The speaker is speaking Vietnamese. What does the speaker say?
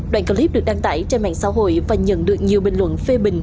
đoạn clip được đăng tải trên mạng xã hội và nhận được nhiều bình luận phê bình